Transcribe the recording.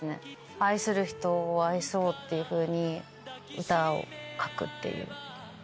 愛する人を愛そうっていうふうに歌を書くっていう。